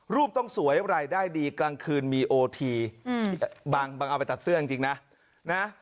ต้องสวยรายได้ดีกลางคืนมีโอทีบางเอาไปตัดเสื้อจริงนะนะ